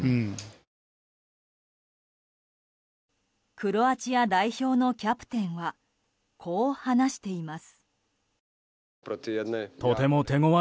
クロアチア代表のキャプテンはこう話しています。